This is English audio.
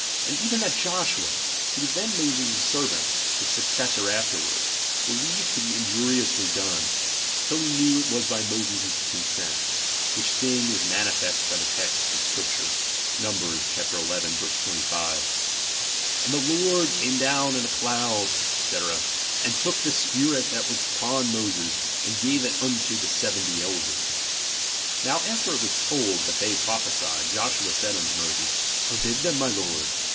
And even that Joshua, who was then Moses" sen^ant, his successor afterward, believed to be injuriously done, till he knew it was by Moses' consent ; which thing is manifest by text of Scrip ture, (Numb. xi. 25) : And the Lord came down in a cloud, S^c. and took of the spirit that was upon Moses, and gave it unto the seventy elders. Now after it was told that they prophesied, Joshua said unto Moses, Forbid them, my lord.